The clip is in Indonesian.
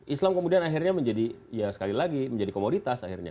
islam kemudian akhirnya menjadi ya sekali lagi menjadi komoditas akhirnya